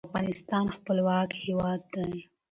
افغانستان خپلواک هیواد دی.